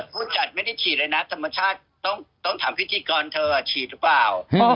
ผู้จัดไม่ได้ฉีดเลยนะธรรมชาติต้องถามพิธีกรเธอฉีดหรือเปล่า